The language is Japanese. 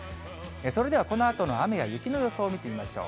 それではこのあとの雨や雪の予想を見てみましょう。